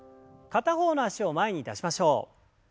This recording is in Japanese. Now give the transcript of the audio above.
片方の脚を前に出しましょう。